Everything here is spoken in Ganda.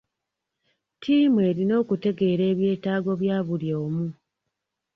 Ttiimu erina okutegeera ebyetaago bya buli omu.